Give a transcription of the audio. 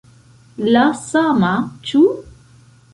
La sama, ĉu?